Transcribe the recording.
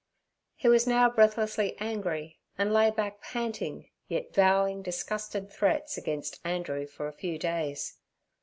He was now breathlessly angry and lay back panting, yet vowing disgusted threats against Andrew for a few days.